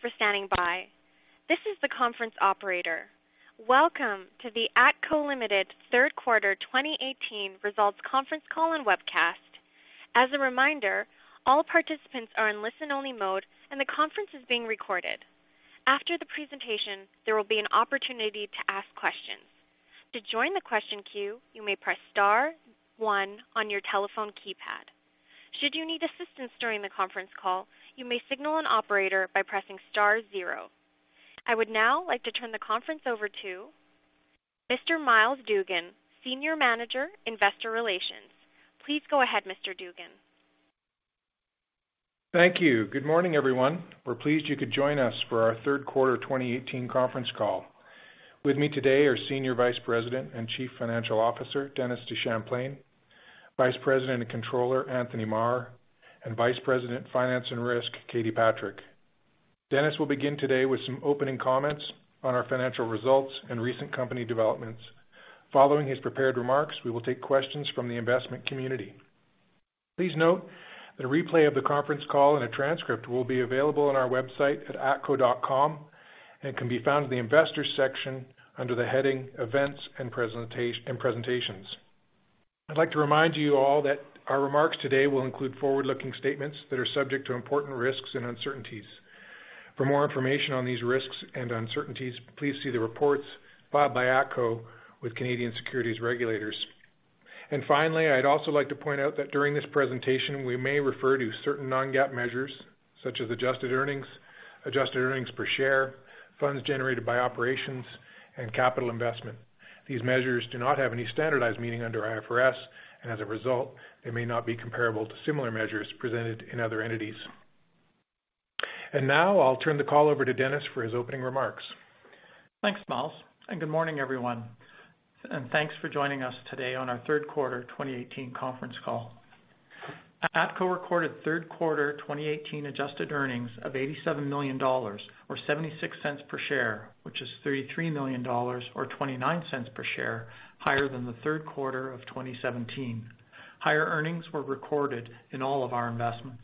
Thank you for standing by. This is the conference operator. Welcome to the ATCO Ltd. Third Quarter 2018 Results Conference Call and Webcast. As a reminder, all participants are in listen-only mode, and the conference is being recorded. After the presentation, there will be an opportunity to ask questions. To join the question queue, you may press star one on your telephone keypad. Should you need assistance during the conference call, you may signal an operator by pressing star zero. I would now like to turn the conference over to Mr. Myles Dougan, Senior Manager, Investor Relations. Please go ahead, Mr. Dougan. Thank you. Good morning, everyone. We're pleased you could join us for our third quarter 2018 conference call. With me today are Senior Vice President and Chief Financial Officer, Dennis DeChamplain, Vice President and Controller, Anthony Maher, and Vice President, Finance and Risk, Katie Patrick. Dennis will begin today with some opening comments on our financial results and recent company developments. Following his prepared remarks, we will take questions from the investment community. Please note that a replay of the conference call and a transcript will be available on our website at atco.com and can be found in the investors section under the heading Events and Presentations. I'd like to remind you all that our remarks today will include forward-looking statements that are subject to important risks and uncertainties. For more information on these risks and uncertainties, please see the reports filed by ATCO with Canadian securities regulators. Finally, I'd also like to point out that during this presentation, we may refer to certain non-GAAP measures such as adjusted earnings, adjusted earnings per share, funds generated by operations, and capital investment. These measures do not have any standardized meaning under IFRS, and as a result, they may not be comparable to similar measures presented in other entities. Now I'll turn the call over to Dennis for his opening remarks. Thanks, Myles, and good morning, everyone, and thanks for joining us today on our third quarter 2018 conference call. ATCO recorded third quarter 2018 adjusted earnings of 87 million dollars, or 0.76 per share, which is 33 million dollars, or 0.29 per share higher than the third quarter of 2017. Higher earnings were recorded in all of our investments.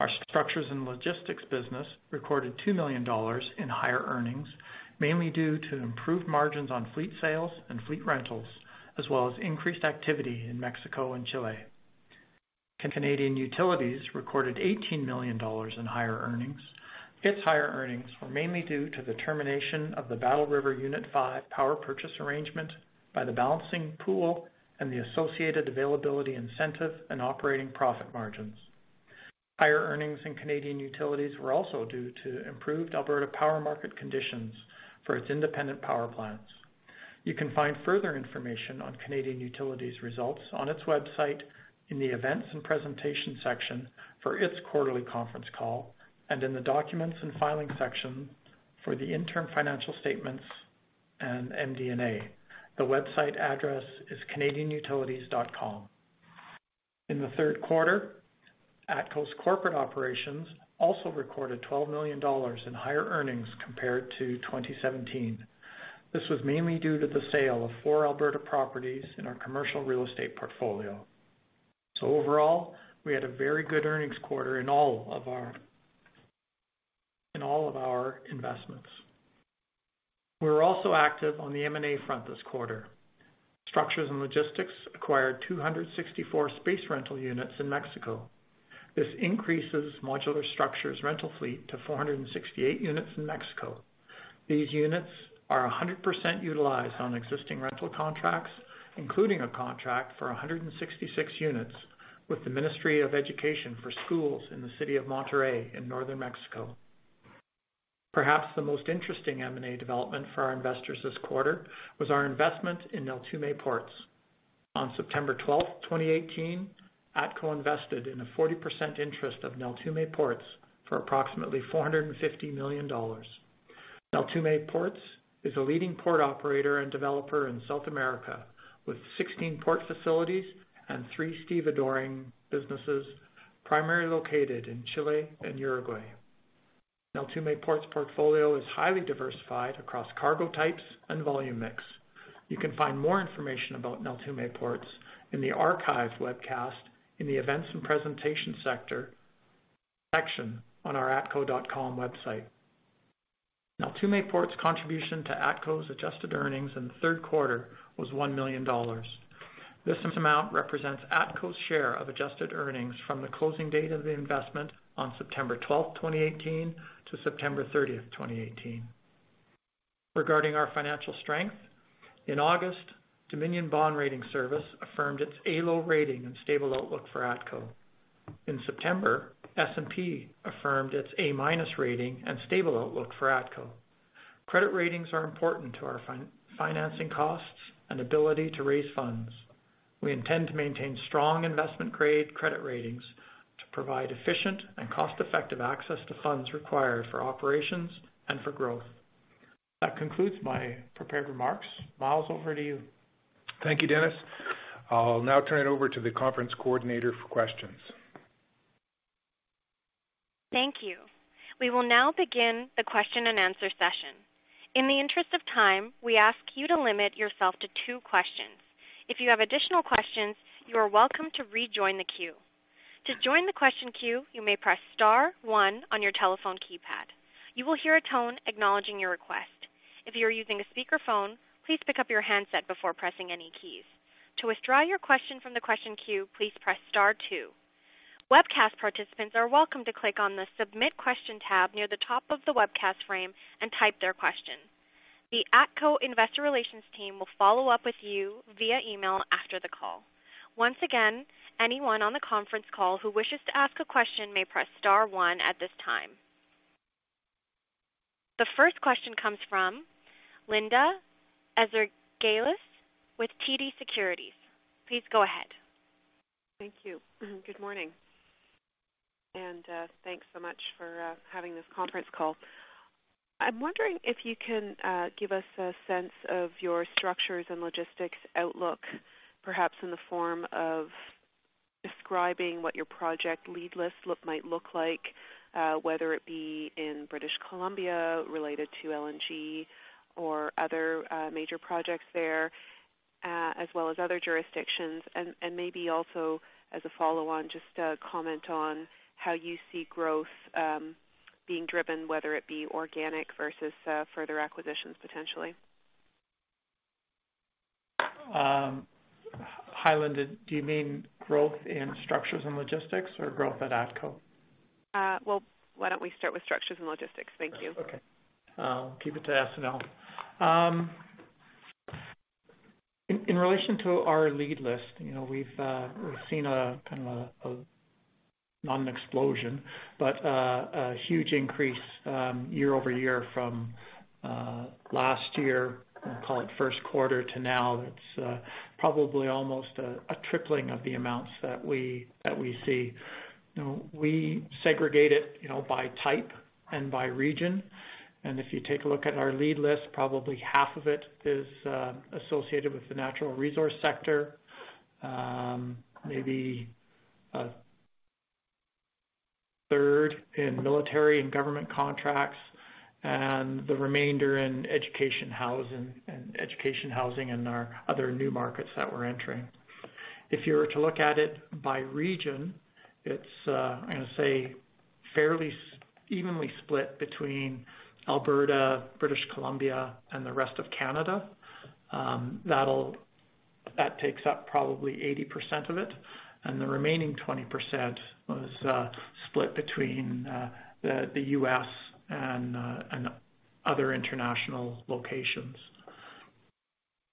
Our Structures & Logistics business recorded 2 million dollars in higher earnings, mainly due to improved margins on fleet sales and fleet rentals, as well as increased activity in Mexico and Chile. Canadian Utilities recorded 18 million dollars in higher earnings. Its higher earnings were mainly due to the termination of the Battle River Unit 5 power purchase arrangement by the Balancing Pool and the associated availability incentive and operating profit margins. Higher earnings in Canadian Utilities were also due to improved Alberta power market conditions for its independent power plants. You can find further information on Canadian Utilities results on its website in the Events and Presentation section for its quarterly conference call and in the Documents and Filing section for the interim financial statements and MD&A. The website address is canadianutilities.com. In the third quarter, ATCO's corporate operations also recorded 12 million dollars in higher earnings compared to 2017. This was mainly due to the sale of four Alberta properties in our commercial real estate portfolio. Overall, we had a very good earnings quarter in all of our investments. We were also active on the M&A front this quarter. Structures & Logistics acquired 264 space rental units in Mexico. This increases modular structures rental fleet to 468 units in Mexico. These units are 100% utilized on existing rental contracts, including a contract for 166 units with the Ministry of Education for schools in the city of Monterrey in northern Mexico. Perhaps the most interesting M&A development for our investors this quarter was our investment in Neltume Ports. On September 12th, 2018, ATCO invested in a 40% interest of Neltume Ports for approximately 450 million dollars. Neltume Ports is a leading port operator and developer in South America with 16 port facilities and three stevedoring businesses, primarily located in Chile and Uruguay. Neltume Ports portfolio is highly diversified across cargo types and volume mix. You can find more information about Neltume Ports in the archived webcast in the Events and Presentation sector, section on our atco.com website. Neltume Ports contribution to ATCO's adjusted earnings in the third quarter was 1 million dollars. This amount represents ATCO's share of adjusted earnings from the closing date of the investment on September 12th, 2018 to September 30th, 2018. Regarding our financial strength, in August, Dominion Bond Rating Service affirmed its A(low) rating and stable outlook for ATCO. In September, S&P affirmed its A- rating and stable outlook for ATCO. Credit ratings are important to our financing costs and ability to raise funds. We intend to maintain strong investment-grade credit ratings to provide efficient and cost-effective access to funds required for operations and for growth. That concludes my prepared remarks. Myles, over to you. Thank you, Dennis. I'll now turn it over to the conference coordinator for questions. Thank you. We will now begin the question and answer session. In the interest of time, we ask you to limit yourself to two questions. If you have additional questions, you are welcome to rejoin the queue. To join the question queue, you may press star one on your telephone keypad. You will hear a tone acknowledging your request. If you are using a speakerphone, please pick up your handset before pressing any keys. To withdraw your question from the question queue, please press star two. Webcast participants are welcome to click on the Submit Question tab near the top of the webcast frame and type their question. The ATCO investor relations team will follow up with you via email after the call. Once again, anyone on the conference call who wishes to ask a question may press star one at this time. The first question comes from Linda Ezergailis with TD Securities. Please go ahead. Thank you. Good morning, thanks so much for having this conference call. I'm wondering if you can give us a sense of your Structures & Logistics outlook, perhaps in the form of describing what your project lead list might look like, whether it be in British Columbia related to LNG or other major projects there, as well as other jurisdictions. Maybe also as a follow on just a comment on how you see growth being driven, whether it be organic versus further acquisitions potentially. Hi Linda, do you mean growth in Structures & Logistics or growth at ATCO? Well, why don't we start with Structures & Logistics. Thank you. Okay. Keep it to S&L. In relation to our lead list, you know, we've seen a kind of a not an explosion, but a huge increase year-over-year from last year, we'll call it first quarter to now. It's probably almost a tripling of the amounts that we see. You know, we segregate it, you know, by type and by region. If you take a look at our lead list, probably half of it is associated with the natural resource sector. Maybe 1/3 in military and government contracts and the remainder in education, housing In education, housing and our other new markets that we're entering. If you were to look at it by region, it's I'm gonna say fairly evenly split between Alberta, British Columbia, and the rest of Canada. That takes up probably 80% of it, and the remaining 20% was split between the U.S. and other international locations.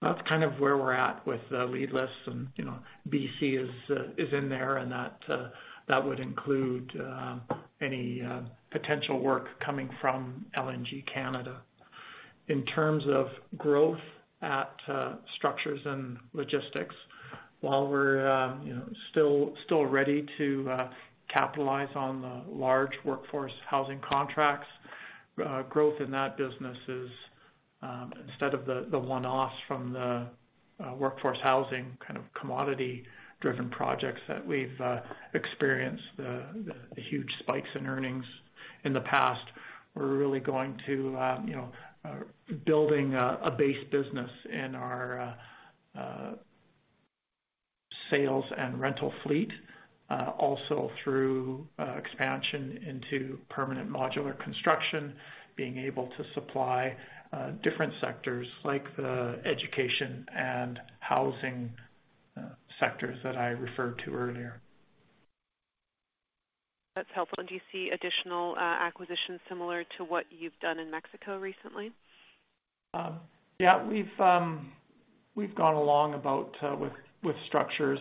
That's kind of where we're at with the lead lists and, you know, BC is in there and that would include any potential work coming from LNG Canada. In terms of growth at Structures & Logistics, while we're, you know, still ready to capitalize on the large workforce housing contracts, growth in that business is instead of the one-offs from the workforce housing kind of commodity-driven projects that we've experienced the huge spikes in earnings in the past, we're really going to, you know, building a base business in our sales and rental fleet, also through expansion into permanent modular construction, being able to supply different sectors like the education and housing sectors that I referred to earlier. That's helpful. Do you see additional acquisitions similar to what you've done in Mexico recently? Yeah, we've gone along about with structures,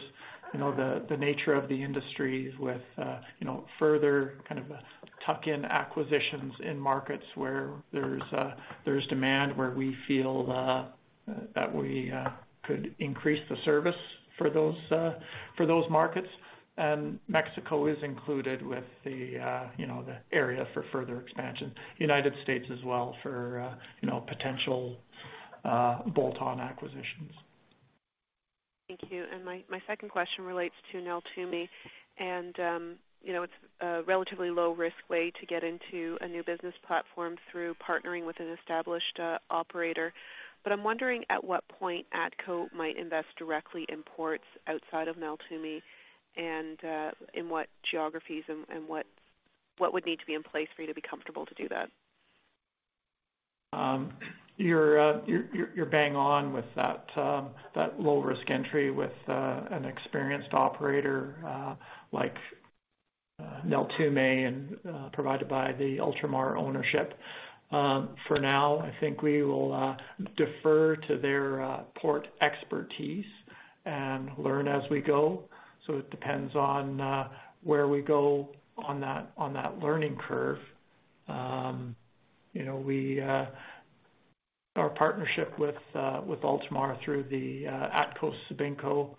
you know, the nature of the industries with, you know, further kind of tuck-in acquisitions in markets where there's demand where we feel that we could increase the service for those, for those markets. Mexico is included with the, you know, the area for further expansion. United States as well for, you know, potential bolt-on acquisitions. Thank you. My second question relates to Neltume and, you know, it's a relatively low-risk way to get into a new business platform through partnering with an established operator. I'm wondering at what point ATCO might invest directly in ports outside of Neltume and in what geographies and what would need to be in place for you to be comfortable to do that? You're bang on with that low-risk entry with an experienced operator like Neltume and provided by the Ultramar ownership. For now, I think we will defer to their port expertise and learn as we go. It depends on where we go on that learning curve. You know, our partnership with Ultramar through the ATCO-Sabinco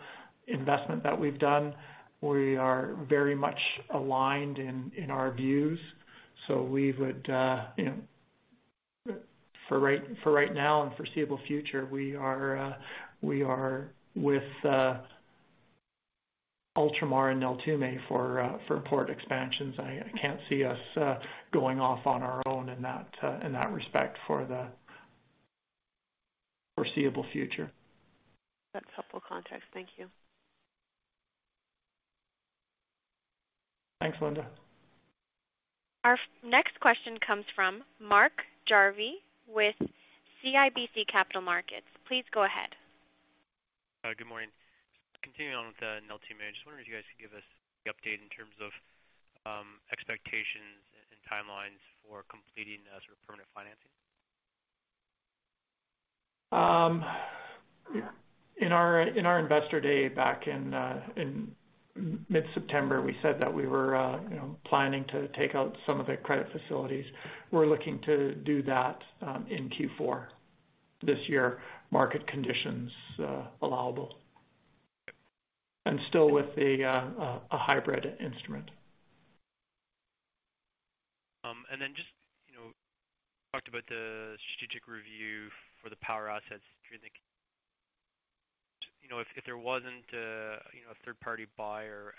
investment that we've done, we are very much aligned in our views. We would, you know, for right now and foreseeable future, we are with Ultramar and Neltume for port expansions. I can't see us going off on our own in that respect for the foreseeable future. That's helpful context. Thank you. Thanks, Linda. Our next question comes from Mark Jarvi with CIBC Capital Markets. Please go ahead. Good morning. Continuing on with the Neltume, I just wondering if you guys could give us the update in terms of expectations and timelines for completing sort of permanent financing. In our Investor Day back in mid-September, we said that we were, you know, planning to take out some of the credit facilities. We're looking to do that in Q4 this year, market conditions allowable. Still with a hybrid instrument. You know, talked about the strategic review for the power assets. You know, if there wasn't a third-party buyer,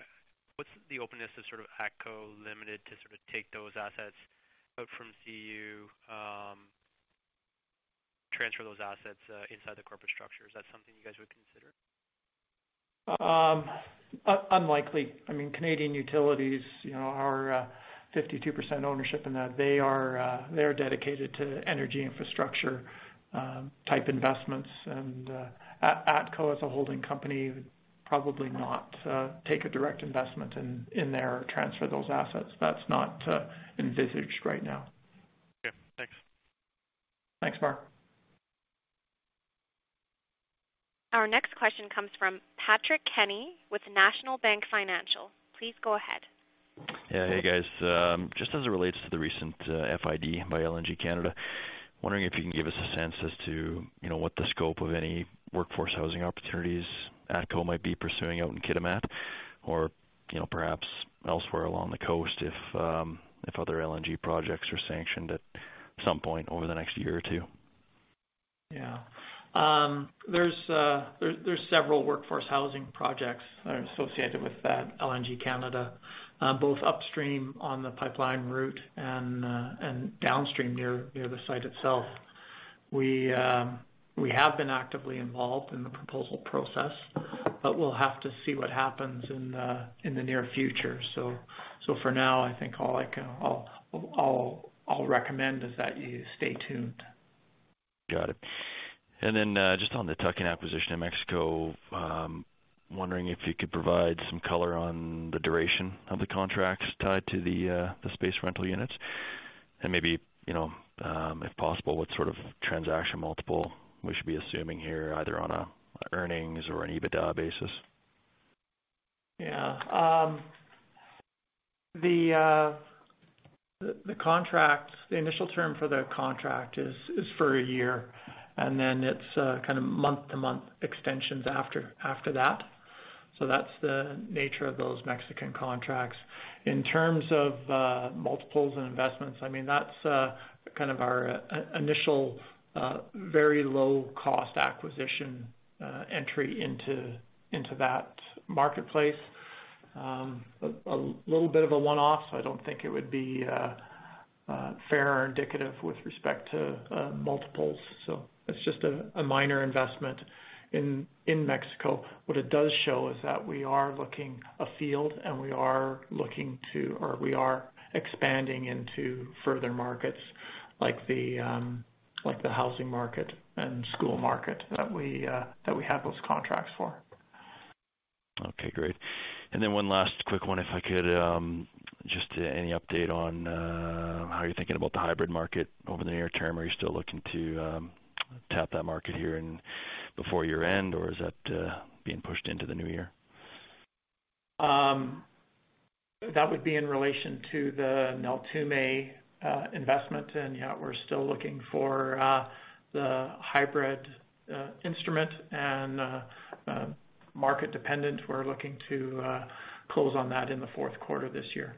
what's the openness to sort of ATCO Ltd. to sort of take those assets out from CU transfer those assets inside the corporate structure? Is that something you guys would consider? Unlikely. I mean, Canadian Utilities, you know, our 52% ownership in that they are dedicated to energy infrastructure, type investments. ATCO as a holding company would probably not take a direct investment in there or transfer those assets. That's not envisaged right now. Okay. Thanks. Thanks, Mark. Our next question comes from Patrick Kenny with National Bank Financial. Please go ahead. Yeah. Hey, guys. Just as it relates to the recent FID by LNG Canada, wondering if you can give us a sense as to, you know, what the scope of any workforce housing opportunities ATCO might be pursuing out in Kitimat or, you know, perhaps elsewhere along the coast if other LNG projects are sanctioned at some point over the next year or two. Yeah. There's several workforce housing projects that are associated with that LNG Canada, both upstream on the pipeline route and downstream near the site itself. We have been actively involved in the proposal process, but we'll have to see what happens in the near future. For now, I think all I can recommend is that you stay tuned. Got it. Just on the tuck-in acquisition in Mexico, wondering if you could provide some color on the duration of the contracts tied to the space rental units. maybe, you know, if possible, what sort of transaction multiple we should be assuming here, either on an earnings or an EBITDA basis. Yeah. The initial term for the contract is for a year, and then it's kind of month-to-month extensions after that. That's the nature of those Mexican contracts. In terms of multiples and investments, I mean, that's kind of our initial very low cost acquisition entry into that marketplace. A little bit of a one-off, so I don't think it would be fair or indicative with respect to multiples. It's just a minor investment in Mexico. What it does show is that we are looking afield and we are expanding into further markets like the housing market and school market that we have those contracts for. Okay, great. One last quick one, if I could. Just any update on how you're thinking about the hybrid market over the near term? Are you still looking to tap that market here in before year-end, or is that being pushed into the new year? That would be in relation to the Neltume investment. Yeah, we're still looking for the hybrid instrument and market dependent. We're looking to close on that in the fourth quarter this year.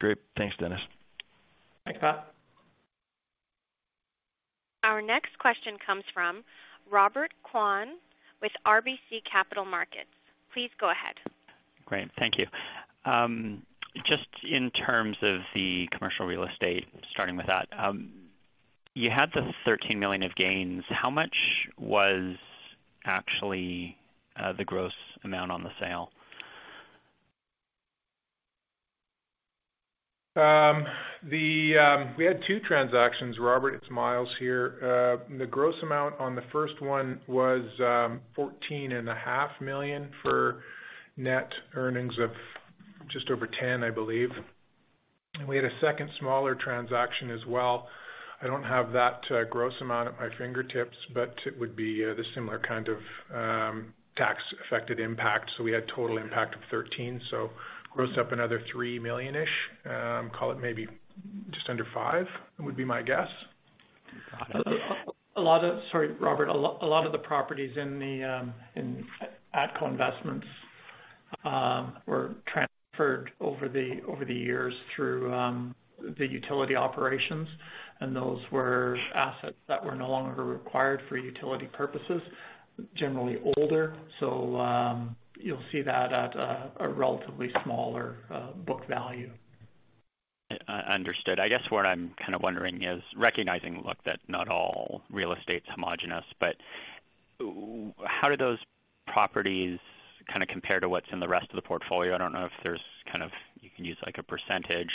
Great. Thanks, Dennis. Thanks, Pat. Our next question comes from Robert Kwan with RBC Capital Markets. Please go ahead. Great. Thank you. Just in terms of the commercial real estate, starting with that, you had the 13 million of gains. How much was actually the gross amount on the sale? We had two transactions, Robert. It's Myles here. The gross amount on the first one was 14.5 million for net earnings of just over 10 million, I believe. We had a second smaller transaction as well. I don't have that gross amount at my fingertips, but it would be the similar kind of tax affected impact. We had total impact of 13 million, so gross up another 3 million-ish. Call it maybe just under 5 million, would be my guess. Sorry, Robert. A lot of the properties in ATCO Investments were transferred over the years through the utility operations, and those were assets that were no longer required for utility purposes, generally older. You'll see that at a relatively smaller book value. Understood. I guess what I'm kind of wondering is recognizing, look, that not all real estate's homogenous, but how do those properties kinda compare to what's in the rest of the portfolio? I don't know if there's kind of you can use like a percentage.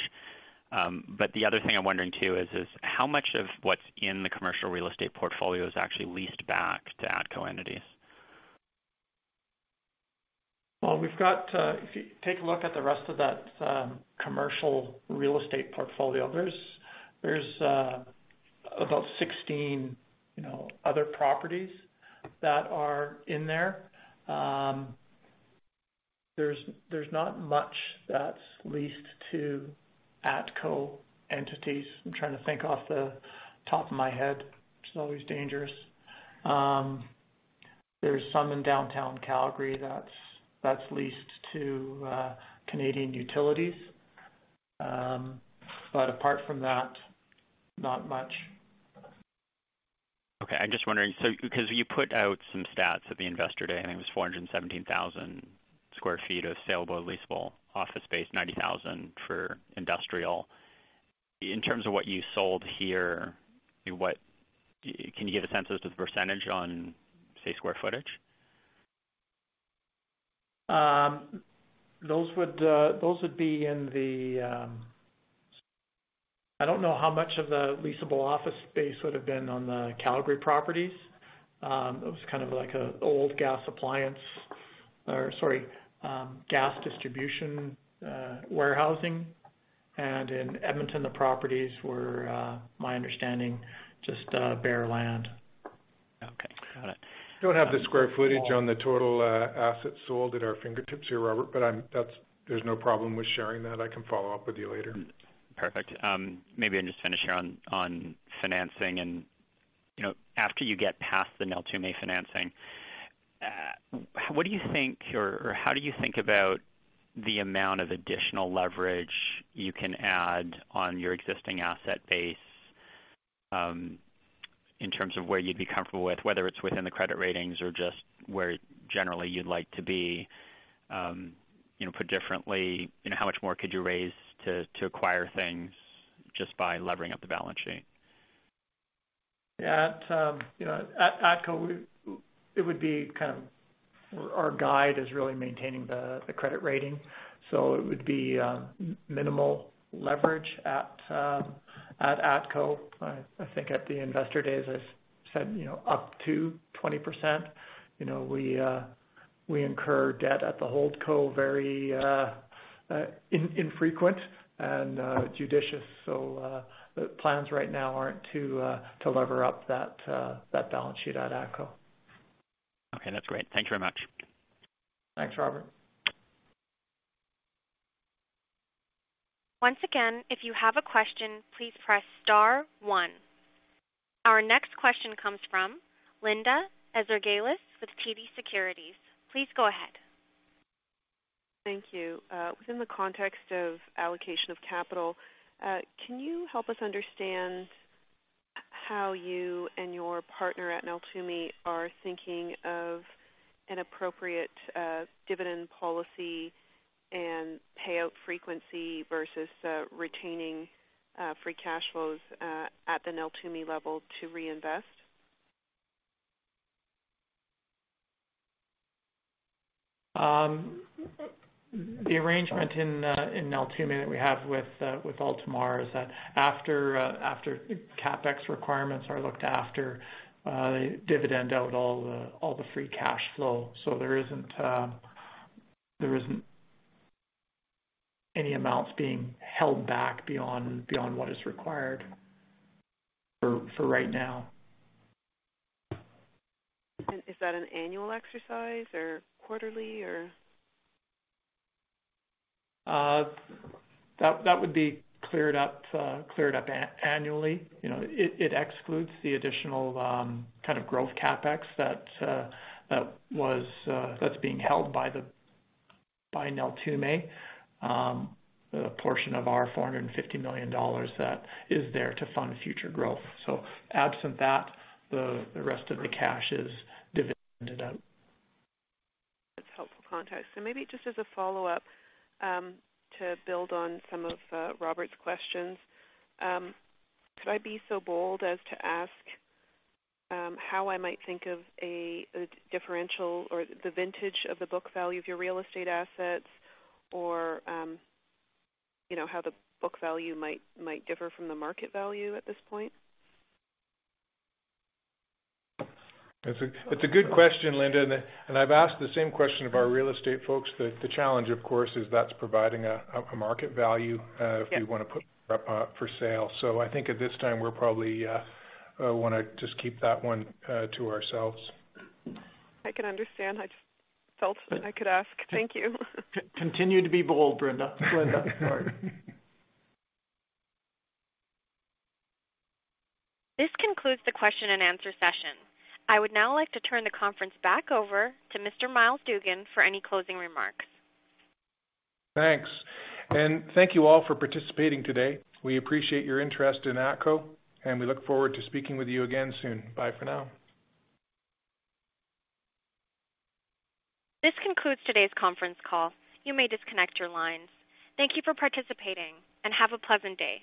But the other thing I'm wondering too is how much of what's in the commercial real estate portfolio is actually leased back to ATCO entities? Well, we've got, if you take a look at the rest of that commercial real estate portfolio, there's about 16, you know, other properties that are in there. There's not much that's leased to ATCO entities. I'm trying to think off the top of my head. It's always dangerous. There's some in downtown Calgary that's leased to Canadian Utilities. Apart from that, not much. Okay. I'm just wondering, because you put out some stats at the Investor Day, I think it was 417,000 sq ft of saleable leasable office space, 90,000 for industrial. In terms of what you sold here, can you give a sense as to the percentage on, say, square footage? Those would be in the, I don't know how much of the leasable office space would've been on the Calgary properties. It was kind of like a old gas appliance or sorry, gas distribution, warehousing. In Edmonton, the properties were, my understanding, just bare land. Okay. Got it. Don't have the square footage on the total assets sold at our fingertips here, Robert, but there's no problem with sharing that. I can follow up with you later. Perfect. maybe I'll just finish here on financing and, you know, after you get past the Neltume financing, what do you think or how do you think about the amount of additional leverage you can add on your existing asset base, in terms of where you'd be comfortable with, whether it's within the credit ratings or just where generally you'd like to be? you know, put differently, you know, how much more could you raise to acquire things just by levering up the balance sheet? Yeah. At, you know, at ATCO, it would be kind of our guide is really maintaining the credit rating. It would be minimal leverage at ATCO. I think at the investor days I said, you know, up to 20%. You know, we incur debt at the Holdco very infrequent and judicious. The plans right now aren't to lever up that balance sheet at ATCO. Okay. That's great. Thanks very much. Thanks, Robert. Once again, if you have a question, please press star one. Our next question comes from Linda Ezergailis with TD Securities. Please go ahead. Thank you. Within the context of allocation of capital, can you help us understand how you and your partner at Neltume are thinking of an appropriate dividend policy and payout frequency versus retaining free cash flows at the Neltume level to reinvest? The arrangement in Neltume that we have with Ultramar is that after CapEx requirements are looked after, they dividend out all the free cash flow. There isn't any amounts being held back beyond what is required for right now. Is that an annual exercise or quarterly, or? That would be cleared up annually. You know, it excludes the additional kind of growth CapEx that was that's being held by the by Neltume. A portion of our 450 million dollars that is there to fund future growth. Absent that, the rest of the cash is dividended out. That's helpful context. Maybe just as a follow-up, to build on some of Robert's questions, could I be so bold as to ask, how I might think of a differential or the vintage of the book value of your real estate assets or, you know, how the book value might differ from the market value at this point? It's a good question, Linda. I've asked the same question of our real estate folks. The challenge of course is that's providing a market value- Yeah. If we wanna put up for sale. I think at this time we're probably wanna just keep that one to ourselves. I can understand. I just felt that I could ask. Thank you. Continue to be bold, Brenda. Linda, sorry. This concludes the question and answer session. I would now like to turn the conference back over to Mr. Myles Dougan for any closing remarks. Thanks. Thank you all for participating today. We appreciate your interest in ATCO, and we look forward to speaking with you again soon. Bye for now. This concludes today's conference call. You may disconnect your lines. Thank you for participating, and have a pleasant day.